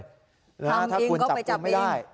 ทำจริงก็ไปจับเองหรือถ้าคุณจับกุมไม่ได้